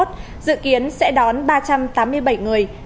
dự kiến sẽ đón ba trăm tám mươi bảy người